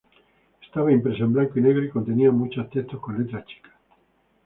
Estaba impresa en blanco y negro y contenía mucho texto, con letra chica.